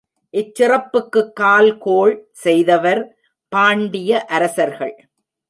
இச்சிறப்புக்குக் கால்கோள் செய்தவர் பாண்டிய அரசர்கள்.